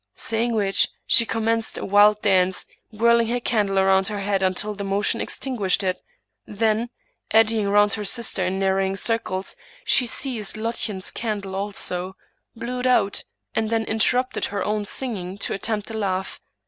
Saying which, she commenced a wild dance, whirling her candle round her head until the motion extin guished it ; then, eddying round her sister in narrowing cir cles, she seized Lottchen's candle also, blew it out, and then interrupted her own singing to attempt a laugh.